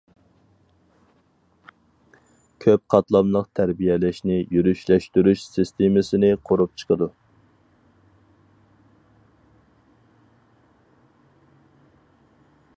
كۆپ قاتلاملىق تەربىيەلەشنى يۈرۈشلەشتۈرۈش سىستېمىسىنى قۇرۇپ چىقىدۇ.